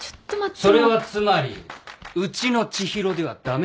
それはつまりうちの知博では駄目だと？